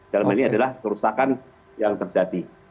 dalam hal ini adalah kerusakan yang terjadi